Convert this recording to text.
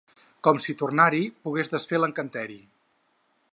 Com si tornar-hi pogués desfer l’encanteri.